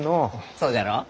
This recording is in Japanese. そうじゃろう？